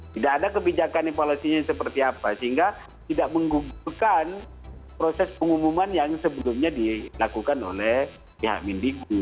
tidak ada kebijakan evaluasinya seperti apa sehingga tidak menggugurkan proses pengumuman yang sebelumnya dilakukan oleh pihak mindikbud